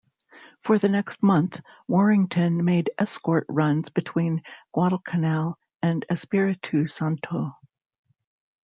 For the next month, "Warrington" made escort runs between Guadalcanal and Espiritu Santo.